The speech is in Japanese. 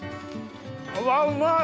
うわうまい！